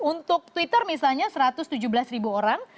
untuk twitter misalnya satu ratus tujuh belas ribu orang